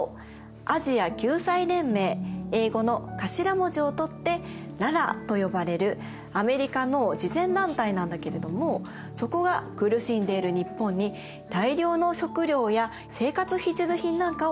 アジア救済連盟英語の頭文字を取ってＬＡＲＡと呼ばれるアメリカの慈善団体なんだけれどもそこが苦しんでいる日本に大量の食料や生活必需品なんかを送ってくれたんです。